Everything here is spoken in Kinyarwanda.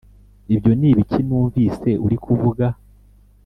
Ibyo n’ibiki numvise uri kuvuga